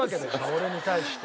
俺に対して。